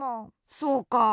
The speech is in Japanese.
そうか。